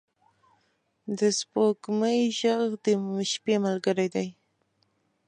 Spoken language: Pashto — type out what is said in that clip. د سپوږمۍ ږغ د شپې ملګری دی.